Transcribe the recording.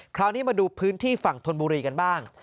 คราวนี้มาดูพื้นที่ฝั่งธนบุรีกันบ้าง